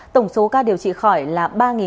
tổng số ca điều trị khỏi là ba tám mươi năm ca